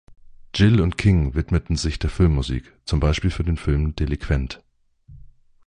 Gill und King widmeten sich der Filmmusik, zum Beispiel für den Film "Delinquent".